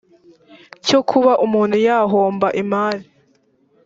cyo kuba umuntu yahomba imari